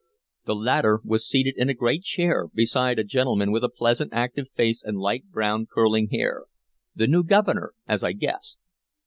The latter was seated in a great chair, beside a gentleman with a pleasant active face and light brown curling hair, the new Governor, as I guessed.